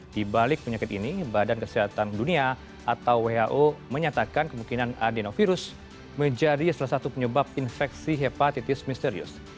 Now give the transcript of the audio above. di balik penyakit ini badan kesehatan dunia atau who menyatakan kemungkinan adenovirus menjadi salah satu penyebab infeksi hepatitis misterius